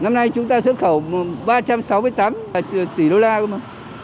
năm nay chúng ta xuất khẩu ba trăm sáu mươi tám tỷ đô la mà